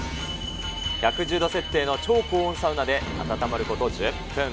１１０度設定の超高温サウナで温まること１０分。